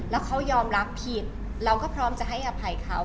แล้วเขายอมรับผิดเราก็พร้อมจะให้อภัยเขา